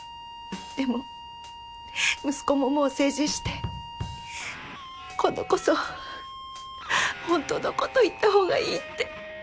でも息子ももう成人して今度こそほんとのこと言ったほうがいいって。